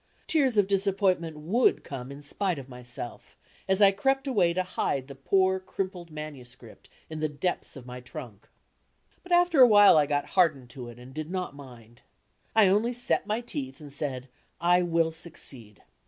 Tears of disappointment would come in spite of myself, as I crept away to hide the poor, crimpled manuscript in the depths of my trunk. But after a while I got hardened to it and did not mind. I only set my teeth and said "I will succeed."